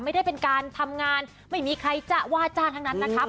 ไม่ได้เป็นการทำงานไม่มีใครจะว่าจ้างทั้งนั้นนะครับ